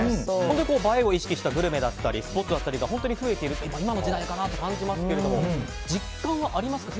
映えを意識したグルメだったりスポットだったりが本当に増えている今の時代だなと感じますが実感はありますか？